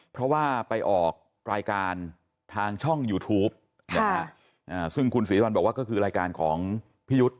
เพราะว่าไปออกรายการทางช่องยูทูปนะฮะซึ่งคุณศรีวัลบอกว่าก็คือรายการของพี่ยุทธ์